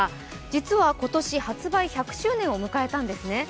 実は今年、発売１００周年を迎えたんですね。